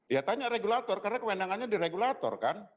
ya tanya regulator karena kewenangannya di regulator kan